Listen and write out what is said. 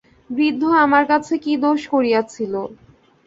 বৃদ্ধ আমার কাছে কী দোষ করিয়াছিল।